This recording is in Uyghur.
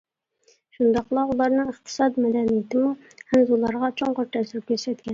شۇنداقلا، ئۇلارنىڭ ئىقتىساد، مەدەنىيىتىمۇ خەنزۇلارغا چوڭقۇر تەسىر كۆرسەتكەن.